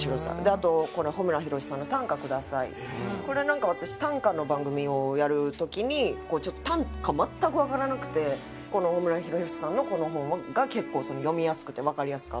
あと穂村弘さんの『短歌ください』。これなんか私短歌の番組をやる時に短歌全くわからなくて穂村弘さんのこの本が結構読みやすくてわかりやすかったという。